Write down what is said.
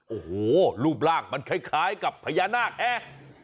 โอ้โหรูปร่างมันคล้ายกับพญานาคแอร์